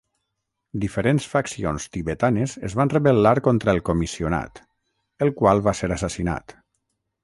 Diferents faccions tibetanes es van rebel·lar contra el comissionat, el qual va ser assassinat.